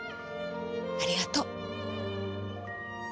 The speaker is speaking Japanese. ありがとう。